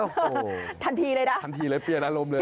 โอ้โหทันทีเลยนะทันทีเลยเปลี่ยนอารมณ์เลย